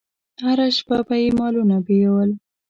هره شپه به یې مالونه بېول.